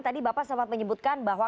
tadi bapak sempat menyebutkan bahwa